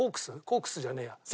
コークスじゃねえや。